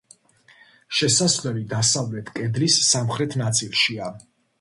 შესასვლელი დასავლეთ კედლის სამხრეთ ნაწილშია.